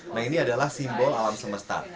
nah ini adalah simbol alam semesta